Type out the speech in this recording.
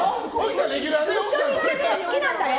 好きなんだよ！